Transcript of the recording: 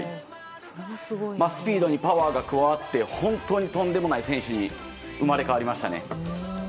スピードにパワーが加わって本当にとんでもない選手に生まれ変わりましたね。